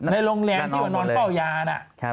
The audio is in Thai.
ในโรงแรมที่มานอนเฝ้ายานะ